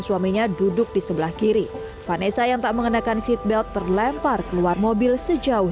suaminya duduk di sebelah kiri vanessa yang tak mengenakan seatbelt terlempar keluar mobil sejauh